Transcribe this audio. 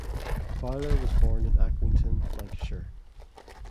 Fowler was born in Accrington, Lancashire.